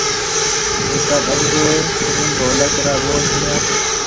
استاد انب ھونڍولڪ را ٻول ۿڻيا